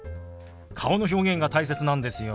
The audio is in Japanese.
顔の表現が大切なんですよ。